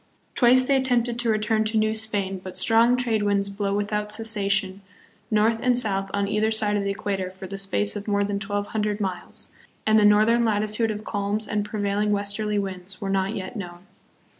Twice they attempted to return to New Spain, but strong trade winds blow without cessation north and south on either side of the equator for the space of more than twelve hundred miles, and the northern latitude of calms and prevailing westerly winds were not yet known.